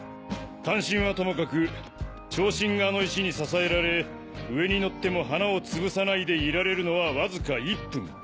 短針はともかく長針があの石に支えられ上に乗っても花をつぶさないでいられるのはわずか１分。